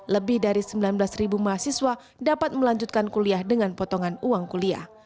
lebih dari sembilan belas ribu mahasiswa dapat melanjutkan kuliah dengan potongan uang kuliah